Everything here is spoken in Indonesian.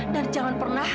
dan jangan pernah